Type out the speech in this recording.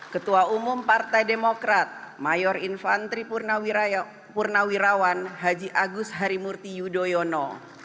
ketua umum partai demokrat mayor infantri purnawirawan haji agus harimurti yudhoyono